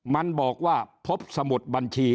มันบอกว่าพบสมุดบัญชี